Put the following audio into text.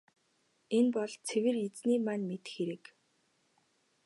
Энэ бол цэвэр Эзэний маань мэдэх хэрэг.